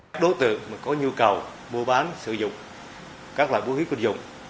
các đối tượng có nhu cầu mua bán sử dụng các loại vũ khí quân dụng